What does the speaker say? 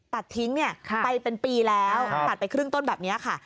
ตัดทิ้งไปเป็นปีแล้วตัดไปครึ่งต้นแบบนี้ค่ะ